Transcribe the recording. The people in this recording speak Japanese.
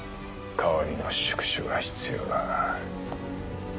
代わりの宿主が必要だな。